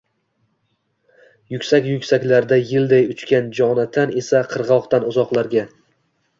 Yuksak-yuksaklarda yelday uchgan Jonatan esa qirg‘oqdan uzoqlarga